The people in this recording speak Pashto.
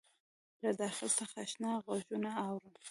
له داخل څخه آشنا غــــــــــږونه اورم